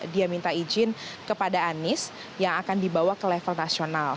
dia minta izin kepada anies yang akan dibawa ke level nasional